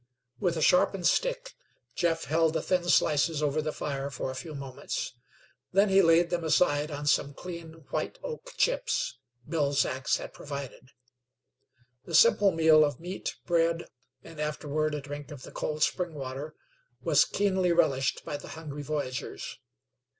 With a sharpened stick Jeff held the thin slices over the fire for a few moments. Then he laid them aside on some clean white oak chips Bill's axe had provided. The simple meal of meat, bread, and afterward a drink of the cold spring water, was keenly relished by the hungry voyagers.